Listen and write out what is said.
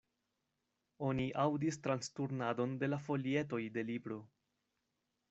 Oni aŭdis transturnadon de la folietoj de libro.